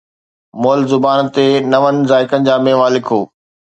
مئل زبان تي نون ذائقن جا ميوا لکو